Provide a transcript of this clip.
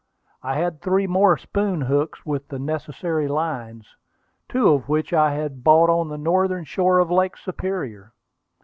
I had three more spoon hooks, with the necessary lines, two of which I had bought on the northern shore of Lake Superior.